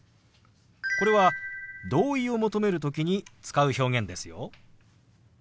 これは同意を求める時に使う表現ですよ。